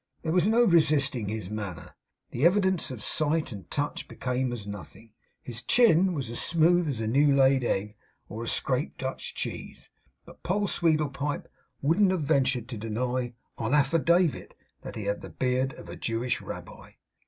There was no resisting his manner. The evidence of sight and touch became as nothing. His chin was as smooth as a new laid egg or a scraped Dutch cheese; but Poll Sweedlepipe wouldn't have ventured to deny, on affidavit, that he had the beard of a Jewish rabbi.